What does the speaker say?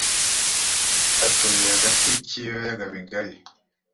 atuye hagati k’ibiyaga bigari